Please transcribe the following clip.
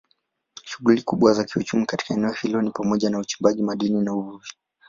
Shughuli kubwa za kiuchumi katika eneo hilo ni pamoja na uchimbaji madini na uvuvi.